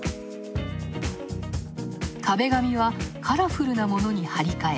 壁紙はカラフルなものに張り替え